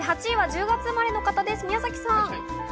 ８位は１０月生まれの方、宮崎さん。